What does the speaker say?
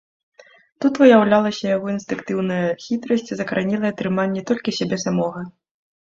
Тут выяўлялася яго інстынктыўная хітрасць, закаранелае трыманне толькі сябе самога.